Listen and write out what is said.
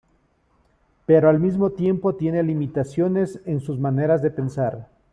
Pero, al mismo tiempo, tiene limitaciones en sus maneras de pensar.